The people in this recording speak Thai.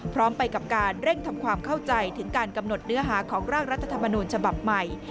พร้อมไปกับการเร่งทำความเข้าใจถึงการกำหนดเนื้อหาของร่างรัฐธรรมนูญฉบับใหม่